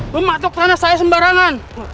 mematuk tanah saya sembarangan